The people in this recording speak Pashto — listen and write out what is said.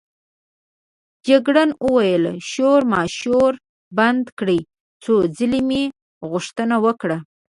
جګړن وویل: شورماشور بند کړئ، څو ځلې مې غوښتنه وکړه.